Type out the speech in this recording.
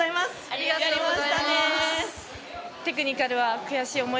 ありがとうございます。